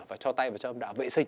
và cho tay vào trong âm đạo vệ sinh